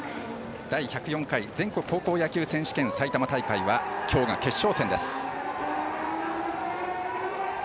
第１０４回全国高校野球選手権埼玉大会は今日が決勝戦です。